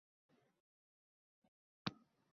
O'zingizni qutqaring, millatni saqlang!